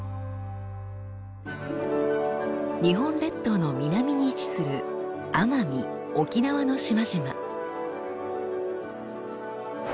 日本列島の南に位置する奄美・沖縄の島々。